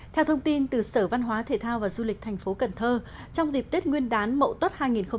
theo thông tin từ sở văn hóa thể thao và du lịch thành phố cần thơ trong dịp tết nguyên đán mậu tốt hai nghìn một mươi tám